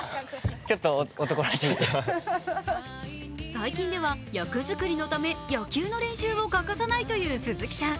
最近では役づくりのため野球の練習を欠かさないという鈴木さん。